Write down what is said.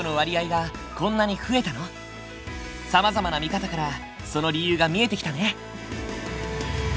さまざまな見方からその理由が見えてきたね。